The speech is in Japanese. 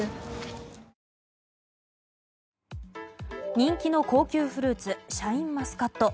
人気の高級フルーツシャインマスカット。